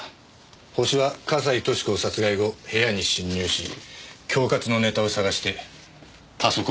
ホシは笠井俊子を殺害後部屋に侵入し恐喝のネタを探してパソコンを持ち去った。